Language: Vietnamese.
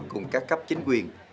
cùng các cấp chính quyền